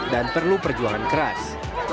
dan perlu perjuangan keras